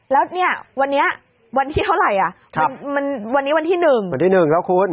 แล้วเนี่ยวันนี้วันที่เท่าไหร่อ่ะมันวันนี้วันที่๑วันที่๑แล้วคุณ